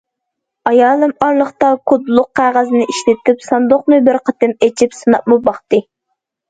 ئايالىم ئارىلىقتا كودلۇق قەغەزنى ئىشلىتىپ، ساندۇقنى بىر قېتىم ئېچىپ سىناپمۇ باقتى.